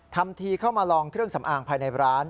ทำทีเข้ามาลองเครื่องสำอางภายในร้าน